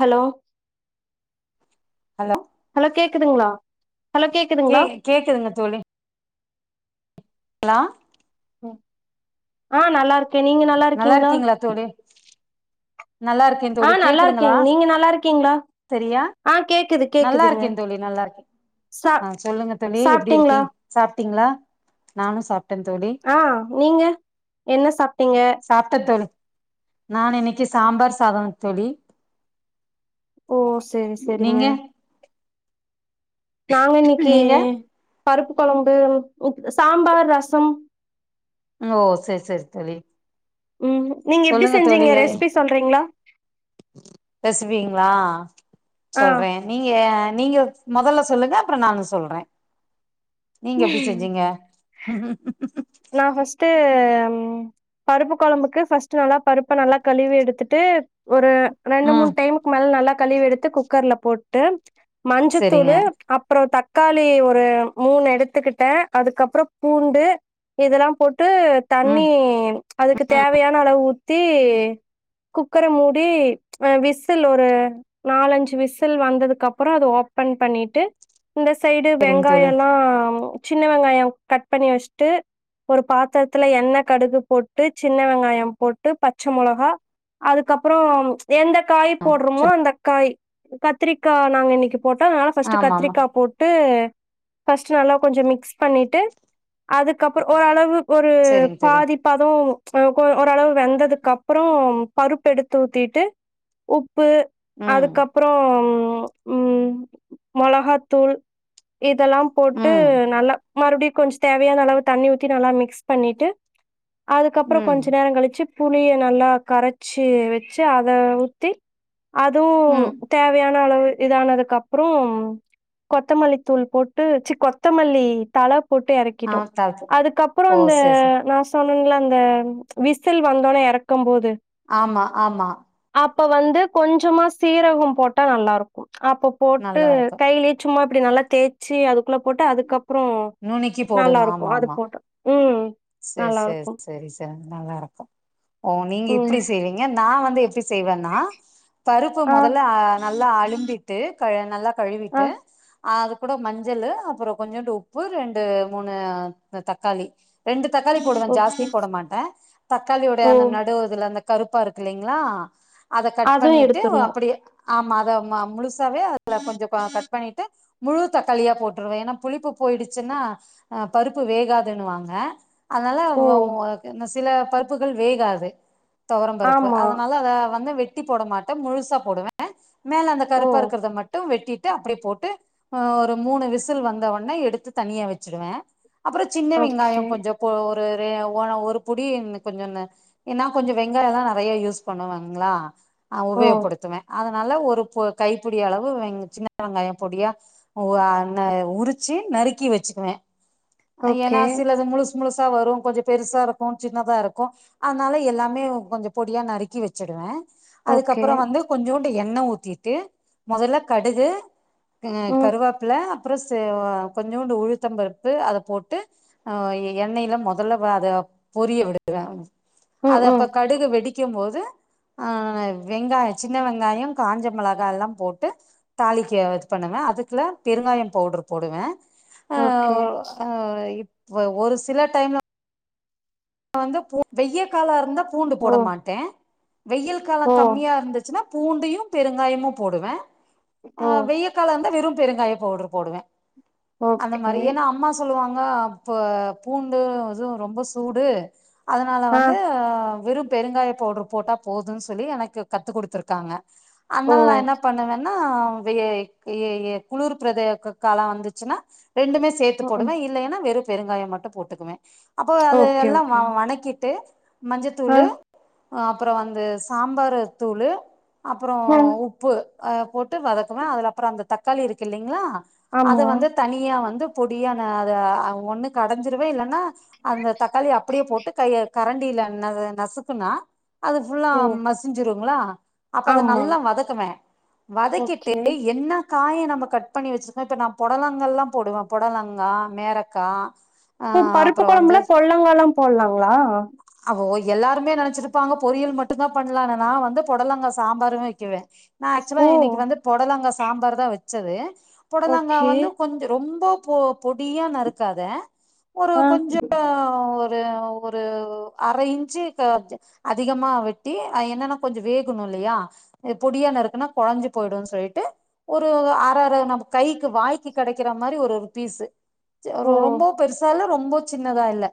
Hello hello hello கேக்குதுங்ளா? கே கேக்குதுங்க தோழி. ஹலோ ம் ஆ நல்லா இருக் க நீங்க நல்லா இருக்கீங்ளா? இருக்கீங்களா தோழி நல்லா இருக்கே ஆ தோழி நல்லா இருக்கே கேக்குதுங்களா நீங்க நல்லா இருக் சரியா நல்லா கேக்குதுங்க இருக்கே தோழி நல்லா இருக்கே சா ஆ சொல்லுங்க தோழி எப்டி சாப்ட்டீங்களா இருக்கீன் சாப் டீங்ளா நானு சாப் ஆ நீங்க என்ன சாப்ட்டீங்க? நா இன்னைக்கி சாம்பார் சாதொ தோழி ஓ செரி செரிங்க நீங்க நாங்க இன்னைக்கு நீங்க பருப்பு கொழம்பு உத் சாம்பார் ரசம் ம் ஓ செர் செர் தோழி ம் நீங்க எப்டி சொல்லுங்க செஞ்சீங்க தோழியே ரெசிபி சொல்றீங்களா பெசுவீங்ளா சொல்றே நீங்க நீங்க மொதல்ல சொல்லுங்க அப்றோ நானு சொல்ற நீங்க எப்டி ஆ செஞ்சீங்க? நா ஃபர்ஸ்ட்டு அம் பருப்பு கொழம்புக்கு ஃபஸ்ட்டு நல்லா பருப்ப நல்லா கழுவி எடுத்துட்டு ஒரு ரெண்டு மூண் ம் டைமுக்கு மேல நல்லா கழுவி எடுத்து குக்கர்ல போட்டு சரிங்க மஞ்சத்தூளு அப்றோ தக் காளி ஒரு மூணு எடுத்துக்கிட்டே அதுக்கப்பறோ பூண்டு இதெல்லா போட் டு தண்ணி ம் அதுக்கு ம் தேவயான அளவு ஊ த்தி குக்கர மூடி வ விசில் ஒரு நாலஞ்சு விசில் வந்ததுகப்புறோ அத ஓப்பன் பண்ணிட்டு இந்த சைடு சரிங்க தோழி வெங்காயலா சின்ன வெங்காயோ கட் பண்ணி வச் ட்டு ஒரு பாத்ரத்துல எண்ண கடுகு போட்டு சின்ன வெங்காயோ போட்டு பச்ச மொளகா அதுக்கப்பறோ எந்த காய் ஆ போட்றொமோ அந்த காய் கத்ரீக்கா நாங்க இன்னைக்கு போட்டா அதுனால ஃபஸ்ட்டு ஆமா ஆமா கத்ரீக்கா போட்டு ஃபஸ்ட்டு நல்லா கொஞ்ச மிக்ஸ் பண்ணிட்டு அதுக்கப்புறு ஓரளவு ஒரு செரிங்க தோழி பாதிப்பதோ நமுக்கு ஓர ஓரளவு வெந்ததுக்கப்றோ பருப்பு எடுத்து ஊத்திட்டு உப் பு ம் அதுக்கப்றோம் ம் ம் மொளகாதூள் இதெல்லா போட்டு ம் நல்லா மறுப்டி கொஞ்ச் தேவையான அளவு தண்ணி ஊத்தி நல்லா மிக்ஸ் பண்ணிட்டு அதுக்கப்றோ ம் கொஞ்சு நேரங் கழிச்சு புளிய நல்லா கரச்சு வெச்சு அத ஊத்தி அதுவு ம் தேவுயான அளவு இதானதுக்கபறோ கொத்தமல்லித்தூள் போட்டு ச்சி கொத்தமல்லி தல போட்டு ஆ கிட்டோ தாளிச்சிட்டே அதுக்கப்புறோ ஓ அந்த சேரி சேரி நா சொன் னுங்லா அந்த விசில் வந்தோனே எறக்கம் போது ஆமா ஆமா அப்ப வந்து கொஞ்சமா சீரகம் போட்டா நல்லாருக்கு அப்ப போட்டு நல்லா இருக்கு கையிலயே சும்மா அப்டி நல்லா தேய்ச்சு அது குள்ள போட்டா அதுக்கப்புறோ நுணுக்கி நல்லாருக்கு அது போட்டா ம் சேர் சேர் நல்லாருக்கும். சரி சார் நல்லாருக்கு ஓ நீங்க ம். இப்பிடி செய்வீங்க நா வந்து எப் ச்சு செய்வன்னா பருப்பு ஆ, முதல்ல அ நல்லா அலிம்பிட்டு கைய நல்லா ஆ. கழுவிட்டு அது கூட மஞ்சளு அப்புறோ கொஞ்சோண்டு உப்பு ரெண்டு மூணு தக்காளி ரெண்டு தக்காளி போடுவே ஓகே. ஜாஸ்தி போட மாட்டே தக்காளியுடைய ஓ! அந்த நடு இதுல அந்த கருப்பாருக்கில்லைங்களா அத கட் அதுவும் பண்ணிட்டு எடுத்துரணும். அப்படியே ஆமா அத ம முழுசாவே அதுல கொஞ்சம் கா கட் பண்ணிட்டு முழு தக்காளியா போட்டுருவேன் ஏனா புளிப்பு போயிடுச்சுன்னா ஹ பருப்பு வேகாதுன்னுவாங்க. அதனால வ ஓ என்ன சில பருப்புகள் வேகாது துவரம்பருப்பு ஆமா. அதனால அத வந்து வெ வெட்டி போட மாட்டேன் முழுசா போடுவேன் மேல அந்த ஓ! கருப்பா இருக்கிறத மட்டும் வெட்டி விட்டு அப்டி போட்டு அ ஒரு மூணு விசில் வந்தவுனே எடுத்து தனியா வச்சுடுவேன் அப்பறம் சின்ன ஓகே. வெங்காயம் கொஞ்சம் ஒரு ரே ஓன ஒரு புடி கொஞ்சம் நா ஏன்நா கொஞ்சம் வெங்காயம் தான் நறைய யூஸ் பண்ணுங்களா ஆ ஓ! உப நல்ல ஒரு பொ கைப்பிடி அளவு வெ சின்ன வெங்காயம் பொடியா உ அ உரிச்சு நறுக்கி வச்சுக்குவேன் ஓகே, ஏனா சிலது முழுஸ் முழுசா வரும் கொஞ்சம் பெருசா இருக்கும் சின்னதா இருக்கும் அதனால எல்லாமே கொஞ்சம் பொடியா நறுக்கி வச்சிடுவே ஓகே. அதுக்கப்பறம் வந்து கொஞ்சோண்டு எண்ணெய் ஊத்திட்டு மொதல்ல கடுகு அம ம், கருவப்பல அப்பறம் ச கொஞ்சோண்டு உழுத்தம்பருப்பு அது போட்டு எண்ணெயல்லாம் மொதல்ல வ அது பொரிய விடு [unintelligible] ம், அது அப்ப ம். கடுகு வெடிக்கும் போது ஆ வெங்காயம் சின்ன வெங்காயம் காஞ்ச மிளகால்லாம் போட்டு தாளிக்க இது பண்ணுவேன் அதுக்குள்ள பெருங்காயம் பவுடர் போடுவேன் அ ஓகே. அ ஒ ஒரு சி சில டைம்ல வந்து வெய கால இருந்தா பூண்டு ஓ! போட மாட்டேன் வெயில் ஓ! காலம் கம்மியா இருந்துச்சுன்னா பூண்டையும் பெருங்காயமும் போடுவேன் ஓ! ஆ வெய காலம் இருந்த வெறு பெருங்காய பவுடரு போடுவேன் அந்த ஓகே. மாரி ஏன்னா அம்மா சொல்லுவாங்க [unintelligible] இப்ப பூண்டு இதுவும் ரொம்ப சூடு அ அதனால ஆ. வந்து விருப்பு பெருங்காய பவுடர் போட்டா போதுன்னு சொல்லி எனக்கு கத்து கொடுத்திருக்காங்க ஓ! அதனால நான் என்ன பண்ணுவன் னா வே ஏ ஏ ஏ குளிர் பிரதே க கால வந்துச்சுன்னா ரெண்டுமே சேத்து ம்ஹ்ம். போடுவே இல்லைன்னா வெறு பெருங்காய மட்டு போட்டுக்குவே அப்போ அது ஓகே, எல்லாம் ஆ ஓகே. வணக்கிட்டு மஞ்ச ஆ. தூள்ளு அப்புறோ வந்து சாம்பாரு தூளு அப்புறோ ம். உப்பு அ போட்டு வதக்குவே அதுல அப்புற அந்த தக்காளி இருக்கு இல்லலைங்களா அத ஆமா. வந்து தனியா வந்து பொடியான அது அ ஒண்ணு கடைஞ்சிருவே இல்லைன்னா அந்த தக்காளி அப் அப்டியே போட்டு க கரண்டியில ந நசுக்குனா அது ஃபுல்லா ஓ! மசிஞ்சிரு ங்களா அப்ப அத ஆமா நல்லா வதக்குவே வதக்கிட்டு ஓகே என்னா காய நம்ம கட் பண்ணி வச்சிருக்கோ இப்ப நா பொடலங்கல்லா போடுவே பொடலங்கா மேரக்கா ஆ பு பருப்பு அப்புறோ வந்து கொழம்புல கொல்லங்காலா போட்லா ங்களா அப்போ எல்லாருமே நெனைச்சிருப்பாங்க பொரியல் மட்டுந்தா பண்ணலானு நா வந்து பொடலங்க சாம்பாரு வைக்குவே நா ஆக்சுலா ஓ இனைக்கு வந்து பொடலங்கா சாம்பார் தா வச் வச்சது புடலாங்க ஓகே வந்து கொஞ்ச ரொம்போ பொ பொடியா நறுக்காத ஒரு ஆ கொஞ்ச ஒரு இந்தவ் ஒரு அரை இன்ச்சு க அதிகமா வெட்டி என்னன்னா கொஞ்ச வேகணு இல்லையா பொடியான இருக்குன்னா குழஞ்சு போயிடும்ன்னனு சொல்லிட்டு ஒரு அரை அரை நம்ம கைக்கு வாய்க்கு கெடைக்கிற மாரி ஒரு ஒரு பீஸு ஓ ரொம்ப பெருசால ரொம் ம்போ சின்னதா இல்ல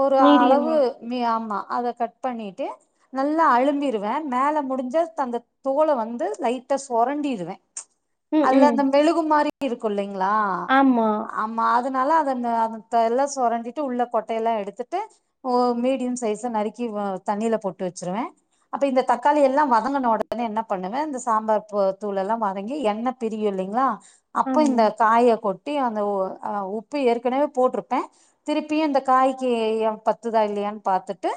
ஒரு ஆள் அளவு மீடியமா ம ஆமா அத கட் பண்ணிட்டு நல்லா அலும்பிடுவே மேல முடிஞ்ச அந்த தோல வந்து லைட்டா சொரண்டிடுவே ம் அதுல ம் அந்த மெழுகு மாறி இருக்குமில்லைங்க ஆமா ஆமா அது அதனால அதன் அத எல்லாம் சொரண்டிட்டு உள்ளே கொட்டையெல்லாம் எடுத்துட்டு ஓ மீடியம் சைஸ நறுக்கி தண்ணியில போட்டு வச்சிருவேன் அப்ப இந்த ஓ- தக்காளி எல்லாம் வ வணங்கன உடனே என்ன பண்ணுவன் இந்த சாம்பார் தூள் எல்லாம் வதங்கி எண்ணெ பிரியும் இல்லைங்களா அப்ப ஆமா இந்த காய கொட்டு அந்த உப்பு ஏற்கனவே போட்டிருப்பேன் திருப்பியும் இந்த காய்க்கு பத்துதா இல்லையான்னு பார்த்துட்டு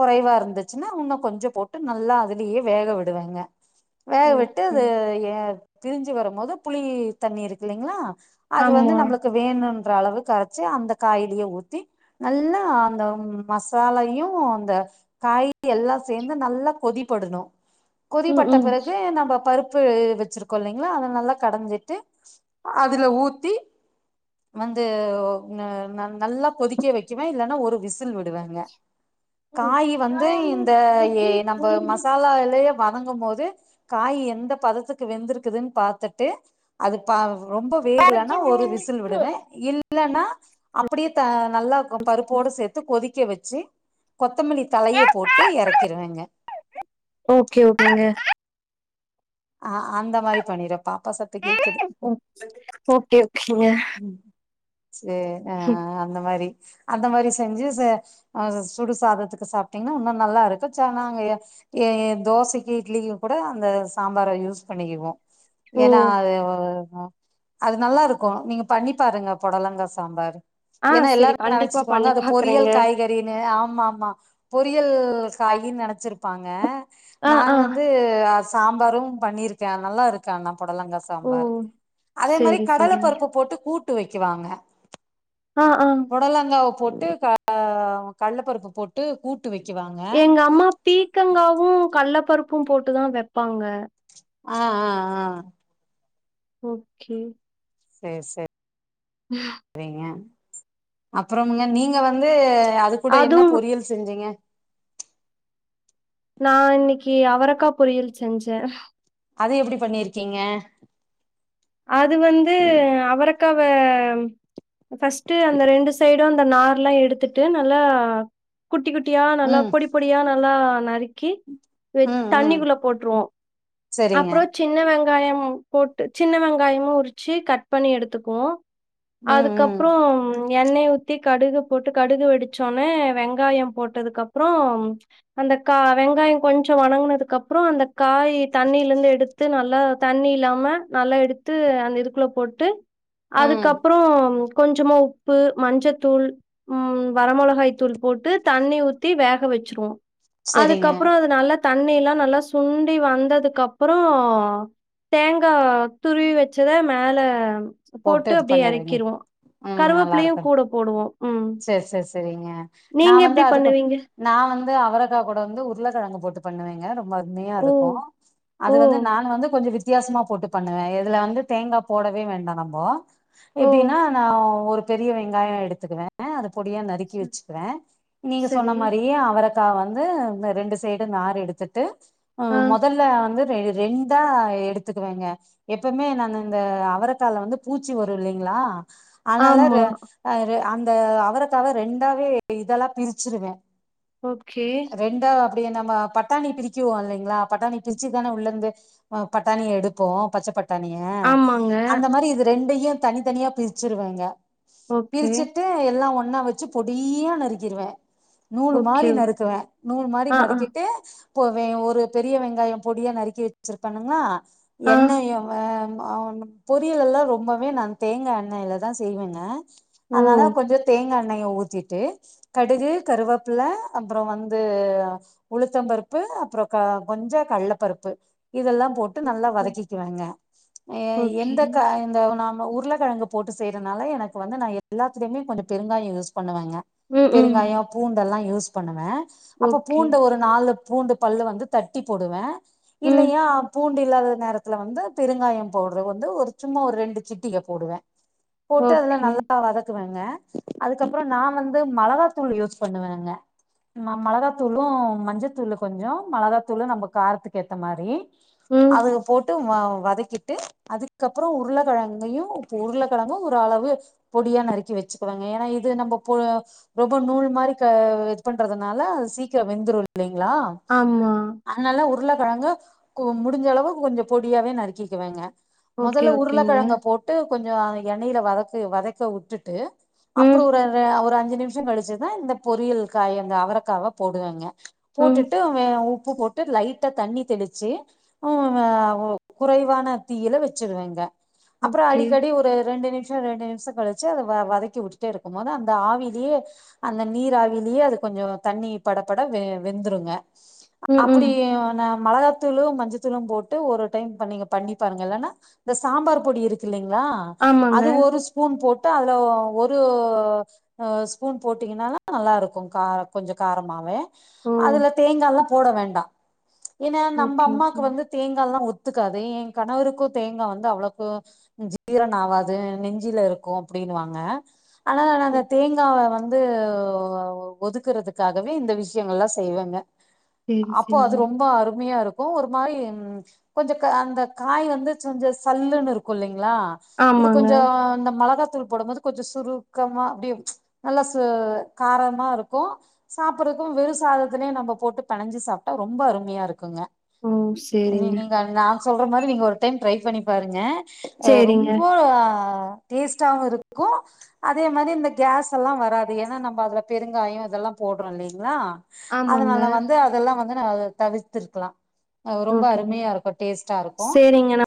குறைவா இருந்துச்சுன்னா உன்னும் கொஞ்சம் போட்டு நல்லா அதுலேயே வேக விடுவேங்க வேக விட்டு ஓகே அது ஏ பிரிஞ்சு வரும் போது புளி தண்ணி இருக்கு இல்லைங்களா அது வந்து ஆமா நம்மளுக்கு வேணும் அளவு கரைச்சி அந்த காய்லேயே ஊத்தி நல்லா அந்த மசாலையும் அந்த காய் எல்லாம் சேர்ந்து நல்லா கொதிபடணும் ம் கொதிப்பட்ட ம் பிறகு நம்ம பருப்பு வச்சிருக்கோம் இல்லைங்களா அத நல்லா கடைஞ்சி வச்சுஅதுல ஊத்தி வந்து நல்லா கொதிக்க வைக்குவேன் இல்லேன்னா ஒரு தூவி விடுவேங்க காய் வந்து இந்த ஏ நம்ப மசாலாலேயே வதங்கும்போது காய் எந்த பதத்துக்கு வெந்திருக்குதுன்னு பாத்துட்டு அது பா ரொம்ப வேகலனா ஒரு விசில் விடுவே இல் இல்லேன்னா அப்பிடியே நல்லா பருப்போடு சேத்து கொதிக்க வச்சு கொத்தமல்லி தழைய போட்டு இறக்கிருவேங்க ஓகே ஓகேங்க ஆஹ் அந்த மாரி பண்ணிரம் ஓகே ஓகேங்க ம் ஆஹ் அந்த மாரி அந்த மாரி செஞ்சு ச ஆ சுடுசாதத்துக்கு சாப்பிட்டீங்கன்னா இன்னும் நல்லா இருக்கும் சொன்னாங்க ஐயா தோசைக்கு இட்லிக்கு கூட அந்த சாம்பாரை யூஸ் பண்ணிக்குவோ ஓ ஏனா அது ஒரு அது நல்லா இருக்கும் நீங்க பண்ணி பாருங்க புடலங்கா சாம்பார் ஆ ஏன்னா செரி எல்லாருமே கண்டிப்பா நினைச்சிக்குவாங்க பண்ணி அது பொரியல் பாக்குறேங்க காய்கறின்னு ஆமா ஆமா ஆமா பொரியல் காயின்னு நினைச்சிருப்பாங்க ஆ நான் ஆ வந்து சாம்பாரும் பண்ணியிருக்கே நல்லா இருக்கு ஆனா ஓ அதே மரி செரி கடல செரிங்க பருப்பு போட்டு கூட்டு துட்டு வைக்க வாங்க ஆ ஆ புடலங்காவ் போட்டு ஆ கல்லப்பருப்பு போட்டு கூட் எங்க அம்மா பீக்கங்காவு கல்ல பருப்பும் போட்டுதா வெப்பாங்க ஆஹ் ஆஹ் ஆஹ் ஓகே செர் செர் ரிங்க அப்புறோம் ங்க நீங்க வந்து அது கூட என்ன அதுவும் பொறியல் செஞ்சிங்க நா இன்னைக்கி அவரக்கா பொரியல் செஞ்ஜ அது எப்புடி பண்ணிருக்கீங்க அது வந்து அவரக்கவ ஃபஸ்ட் அந்த ரெண்டு சைட் ந்த நார்லா எடுத்துட்டு நல்லா குட்டி குட் டியா நல்லா ம் பொடி பொடியா நல் ல்லா நரிக் கி ம் ம் தண்ணிக்குள்ள போற்றுவோ செரிங்க அப்புறோ சின்ன வெங் கயமும் போட்டு சின்ன வெங்காயமுமா உரிச்சு கட் பண்ணி எடுத்துக்குவோ ம் ம் அதுக்கப்புறோம் எண்ணைய ஊத்தி கடுகு போட்டு கடுகு வெடிச்சோனே வெங்காயம் போட்டதுக் கப்புறோ அந்த கா வெங்காயம் கொஞ்சோம் வணங்குனதுக்க அப்புறோ அந்த காய் தண்ணில இருந்து எடுத்து நல்லா தண்ணி இல்லாம நல்லா எடுத்து அந்த இதுக்குள்ள போட்டு ம் அதுக்கப்புறோம் கொஞ்சமாக உப்பு மஞ்சத்தூள் வர மொளகாய் தூள் போட்டு தண்ணி ஊத்தி வேக வச்சுருஒம் செரிங்க அதுக்கப்புறோ அது நல்லா தண்ணி எல்லா நல்லா சுண்டி வந்ததுக்கு க ப்புறோ தேங்காவ துருவி வச்சத மேல போட்டு இது அப்டியே பண்ணிருவீங்க இறக்கிறுவோ கருவேப்பில்லயு கூட போடுவோ செரி செர்ரி செரிங் நா வந்து எப்படி அதுக்கு பண்ணுவீங்க? நா வந்து அவரக்கா கூட வந்து உருளைக்கிழங்கு போட்டு பண்ணுவீங்க ரொம்ப மிமையா ஓ! இருக்கு அது ஓ! வந்து நா வந்து கொஞ்ச வி வித்தியாசமா போட்டு பண்ணுவே இதுல வந்து தேங்கா போடவே வேண்டா நம்போ ஓ! எப்டின்னா நா ஒரு பெரிய வெங்காய எடுத்துக்குவே ஆ அது பொடியா நறுக்கி ச வச்சிக்கிற நீங்க சொன்ன சரி. மாரியே அவர க்கா வந்து இந்த ரெண்டு சைடு நார் எடுத்துட்டு ஆ. ம் மொதல்ல வந்து ரெ ரெண்டா எடுத்துக்குவேங்க எப்பமே நானு இந்த அவரக்கால வந்து பூச்சி வரு இல்லிங்களா அதனால ஆமா. ரெ அ ரெ த அவரக்காவ ரெண்டாவே இதெல்லா பிரிச்சிருவே ஓகே அப்டி நம்ம பட்டாணி பிரிக்வோ இல்லைங்களா பட்டாணி பிரிச்சி தான உள்ளந்து பட்டாணி எடுப்போ பச்ச பட் தானிய ஆமாங்க. அந்த மாரி இது ரெண்டையு டியு தனித்தனியா பிரிச்சிருவங்க ஓகே எல்லா ஒன்னா வச்சி பொடியா நறுக்கிறுவே நூலு மாரி ஓகே. நறுக்குவே நூலு மாரி ஆ, ஆ, நறுக்கிட்டு இப்போ வெ ஒரு பெரிய வெங்காயம் பொடியா நறுக்கி வச்சிருப்பனுங்களா ஆ. எண்ணய வ ஆ பொரியலெல்லா ரொம்பவே நா தேங்கா எண்ணெய்ல தா செய்வேங்க ஓ! அதனால கொஞ்ச தேங்கா எண்ணய ஊத்திட்டு கடுகு கருவேப்பில அப்பறம் வந்து உளுத்தம் பருப்பு அப்பறம் க கொஞ்ச கல்ல பருப்பு இதெல்லா போட்டு நல்லா ஓகே. வதக்கிக்குவங்க ஓகே. எந்த க இந்த நா உருளக்கெழங்கு போட்டு செய்யறனால எனக்கு வந்து நா எல்லாத்துலயுமே கொஞ்ச பெருங்காயம் யூஸ் பண்ணுவங்க ம், ம். பெருங்காயோ பூண்டெல்லா யூஸ் பண்ணுவே அப்ப ஓகே. பூண்டு ஒரு நாலு பூண்டு பல்லு வந்து தட்டி போடுவே ம். இல்லையா பூண் ண்டு இல்லாத நேரத்துல வந்து பெருங்காயம் பவுடரு வந்து ஒரு சும்மா ஒரு ரெண்டு சிட்டிக போடுவே போட்டு அதுல ஓகே நல்லா வதக்குவேங்க அதுக்கப்பற நா வந்து மளகாத்தூள் யூஸ் பண்ணுவேங்க மளகாத்தூளு மஞ்சத்தூள் கொஞ்சம மளகாத்தூள் நம்ம காரத்துக்கு ஏத்த மாரி ம். அதுக்கு போட் ட்டு வ வதக்கிட்டு அதுக்கப்பறொ உருளக்கெழங்கையு உருளக்கெழங்கு ஓரளவு பொடியா நறுக்கி வச்சுக்கனுங்க ஏனா இது நம்ப பொ ரொம்பொ நூல் மாரி க இது பண்றதுனால அது சீக்கரொ வெந்துரு லிங்களா ஆமா. அதனால உருளக் கெழங்க கு முடிஞ்ச அளவுகு கொஞ்சொ பொடியாவே நறுக்கிக்குவங்க ஓகே, மொதல்ல ஓகேங்க. உருளக்கெழங்க போட்டு கொஞ்சொ எண்ணையில வதக்கி வதக் க வுட்டுட்டு அப்பறோ ம், ஒரு ர அ ஒரு அஞ் ஞ்சு நிமிஷொ கழிச்சுதா இந்த பொரியல் காய் அந்த அவரக்காவ போடுவங்க ம். போட்டுட்டு வெ உ உப்பு போட்டு லைட்டா தண்ணி தெளிச்சு ஆ உ குறைவான தீயில வச்சுருவேங்க அப்பறொ ஓகே. அடிக்கடி ஒரு ரெண்டு நிமி ஷோ ரெண்டு நிமிஷோ கழிச்சு அத வ வதக்கி வுட்டுட்டே இருக்கம் போது அந்த ஆவிலேயே அந்த நீராவிலேயே அது கொஞ்சொ தண்ணி படப்பட வெ வெந்துருங்க ம், ம். அப்படி நா மளகாத்தூளு மஞ்சத்தூளு போட்டு ஒரு டைம் பண் நீங்க பண்ணி பாருங்க இல்லனா இந்த சாம்பார் பொடி இருக்கு இல்லைங் ங்ளா ஆமாங்க. அது ஒரு ஸ் பூன் போட்டு அதுல ஒ ஒரு அ ஸ்பூன் போட்டீங்கனால நல்லா இருக்கு கா கொஞ்சொ காரமாவே ஓ! அதுல தேங்காலா போட வேண்டா ஏனா நம்ப ஓகே, அம்மாக்கு ஓகே. வந்து தேங்கால்லா ஒத் ஓத்துகாது ஏ கணவருக்கு தேங்கா வந்து அவ்வளோக்கு ஜீரணாவாது நெஞ் ஞ்சுலருக்கு அப்படின்னுவாங்க ஆனா நா ஓ! அந்த தேங்காவ வந் ந்து ஒதுக்குறதுக்காகவே இந்த விஷயங்கள்ல்லா செய்வங்க சரி, அப்போ அது சரிங்க. ரொம்ப அருமையா இருக் கு ஒரு மாரி ம் கொஞ்சொ க அந்த காய் வந்து கொஞ்ச சல்லுன்னு இருக்கு இல்லைங் ங்களா இது ஆமாங்க. கொஞ்சோ மெளகாத்தூள் போடம்போது கொஞ்சொ சுருக்கமா அப்டியே நல்லா சு காரமா இருக்கு சாப்படறக்கு வெறு சாதத்துலேயே நம்ம போட்டு பெணஞ்சு சாப்ட்டா ரொம்ப அருமையா இருக்குங்க ஓ! நீ சரிங்க. நீங்க நா சொல்ற மாரி நீங்க ஒரு டைம் ட்ரை பண்ணி பாருங்க ஒ சரிங்க. ரொம்போ டேஸ்ட்டாவு இருக்கு அதே மாதி இந்த கேஸ்ஸெல்லா வராது ஏனா நம்ப அதுல பெருங்காயொ இதெல்லா போடுறோம் இல்லைங்களா ஆமாங்க. அதனால வந்து அதெல்லா வந்து தவ தவிர்த்திருக்கலா ரொம்ப ஓகேங்க. அருமையா இருக்கும் டேஸ்டா இருக்கும் சரிங்க.